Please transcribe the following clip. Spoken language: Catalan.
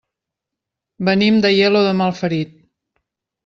Venim d'Aielo de Malferit.